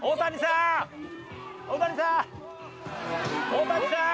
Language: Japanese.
大谷さん！